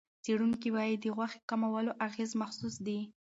څېړونکي وايي، د غوښې کمولو اغېز محسوس دی.